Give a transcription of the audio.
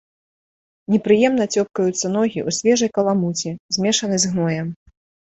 Непрыемна цёпкаюцца ногі ў свежай каламуці, змешанай з гноем.